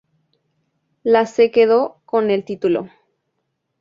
La se quedó con el título.